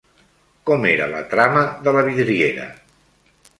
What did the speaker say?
Com era la trama de la vidriera?